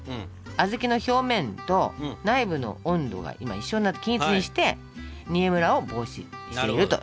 小豆の表面と内部の温度が今一緒になって均一にして煮えむらを防止していると。